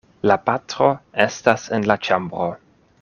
La patro estas en la ĉambro.